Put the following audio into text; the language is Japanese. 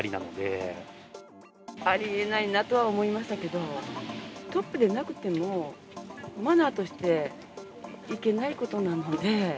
ありえないなとは思いましたけど、トップでなくても、マナーとしていけないことなので。